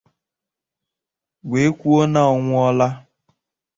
wee kwuo na ọ nwụọla